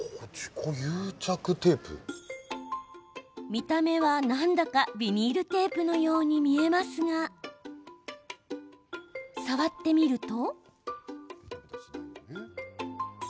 見た目は、なんだかビニールテープのように見えますが触ってみると。